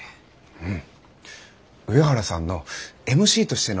うん。